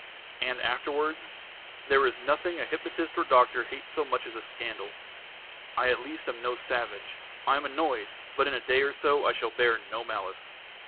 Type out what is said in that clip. "And afterwards?" "There is nothing a hypnotist or doctor hates so much as a scandal. I at least am no savage. I am annoyed.... But in a day or so I shall bear no malice...."